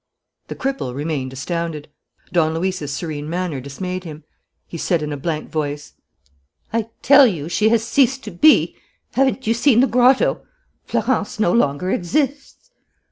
The cripple remained astounded. Don Luis's serene manner dismayed him. He said, in a blank voice: "I tell you, she has ceased to be. Haven't you seen the grotto? Florence no longer exists!"